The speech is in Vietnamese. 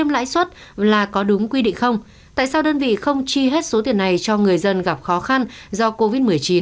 lãi suất là có đúng quy định không tại sao đơn vị không chi hết số tiền này cho người dân gặp khó khăn do covid một mươi chín